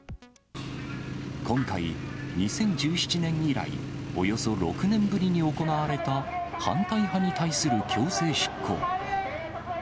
今回、２０１７年以来、およそ６年ぶりに行われた反対派に対する強制執行。